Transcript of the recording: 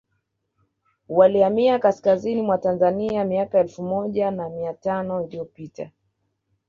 walihamia Kaskazini mwa Tanzania miaka elfu moja na mia tano iliyopita